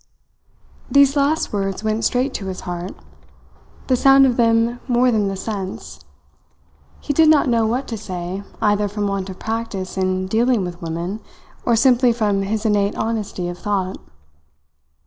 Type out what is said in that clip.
These last words went straight to his heart the sound of them more than the sense. He did not know what to say, either from want of practice in dealing with women or simply from his innate honesty of thought.